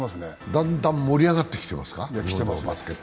だんだん盛り上がってきてますか？